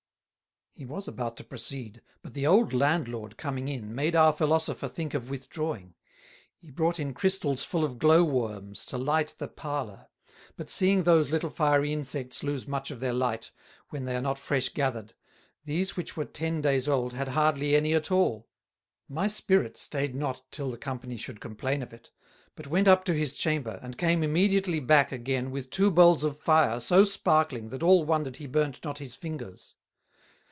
He was about to proceed; but the Old Landlord coming in, made our Philosopher think of withdrawing: He brought in Christals full of Glow worms, to light the Parlour; but seeing those little fiery Insects lose much of their Light, when they are not fresh gathered, these which were ten days old had hardly any at all. My Spirit stayed not till the Company should complain of it, but went up to his Chamber, and came immediately back again with two Bowls of Fire so Sparkling that all wondred he burnt not his Fingers.